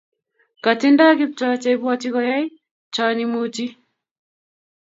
katindai Kiptoo cheibwati koai chon imuchi